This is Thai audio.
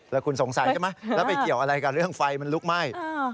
แล้วคุณสงสัยใช่ไหมแล้วไปเกี่ยวอะไรกับเรื่องไฟมันลุกไหม้